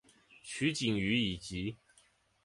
取景于以及。